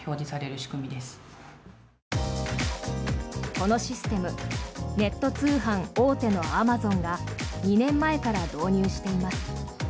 このシステムネット通販大手のアマゾンが２年前から導入しています。